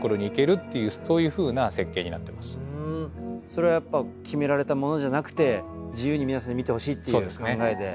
それはやっぱ決められたものじゃなくて自由に皆さんに見てほしいっていう考えで？